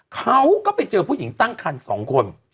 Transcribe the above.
เขาก็ไปเจอผู้หญิงตั้งคัน๒คน